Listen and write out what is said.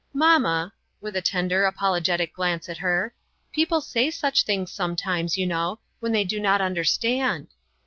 " Mamma," with a tender, apologetic glance at her, " people say such things sometimes, you know, when they do not understand."